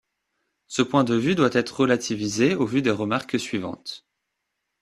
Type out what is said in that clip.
Ce point de vue doit être relativisé au vu des remarques suivantes.